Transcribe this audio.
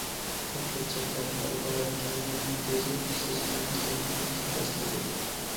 بۇ كۆلچەكلەر بارا-بارا كېڭىيىپ كۆز يەتكۈسىز دېڭىزدەك كۆرۈنۈشكە باشلىدى.